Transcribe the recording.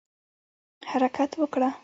حرکت وکړه